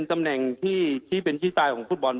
ตำแหน่งที่ชิ้นเป็นชีวิตสายของฟุตบอล